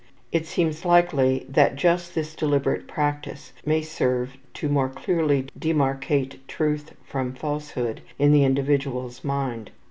It seems likely that just this deliberate practice may serve to more clearly demarcate truth from falsehood in the individual's mind.